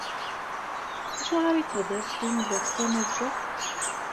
Acuɣer i tebdiḍ tlemmdeḍ tamaziɣt?